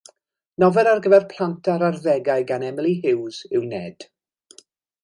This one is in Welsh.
Nofel ar gyfer plant a'r arddegau gan Emily Huws yw Ned.